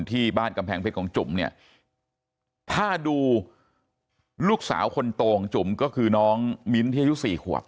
ที่บ้านกำแพงเพชรของจุ๋มเนี่ยถ้าดูลูกสาวคนโตของจุ๋มก็คือน้องมิ้นท์ที่อายุสี่ขวบ